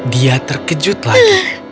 dia terkejut lagi